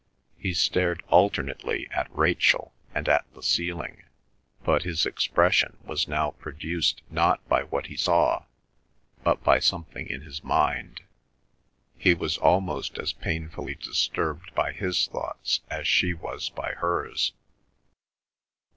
He stared alternately at Rachel and at the ceiling, but his expression was now produced not by what he saw but by something in his mind. He was almost as painfully disturbed by his thoughts as she was by hers.